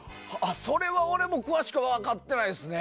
それは俺も詳しくは分かってないですね。